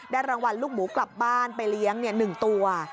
รางวัลลูกหมูกลับบ้านไปเลี้ยง๑ตัว